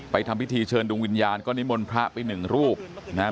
ทำพิธีเชิญดวงวิญญาณก็นิมนต์พระไปหนึ่งรูปนะครับ